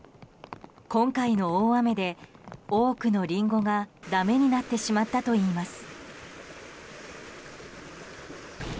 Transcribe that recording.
今回の大雨で多くのリンゴがだめになってしまったといいます。